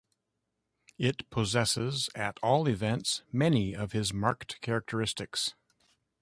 It possesses, at all events, many of his marked characteristics.